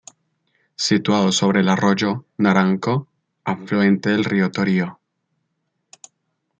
Situado sobre el Arroyo Naranco, afluente del Río Torío.